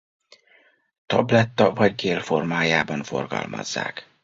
Tabletta vagy gél formájában forgalmazzák.